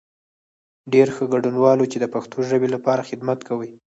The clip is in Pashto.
ډېر ښه، ګډنوالو چې د پښتو ژبې لپاره خدمت کوئ.